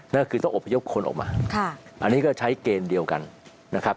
นั่นคือต้องอบพยพคนออกมาอันนี้ก็ใช้เกณฑ์เดียวกันนะครับ